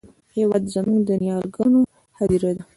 هېواد زموږ د نیاګانو هدیره ده